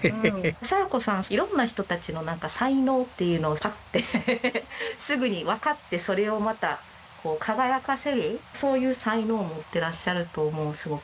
佐代子さん色んな人たちの才能っていうのを買ってすぐにわかってそれをまた輝かせるそういう才能を持ってらっしゃると思うすごく。